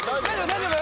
大丈夫？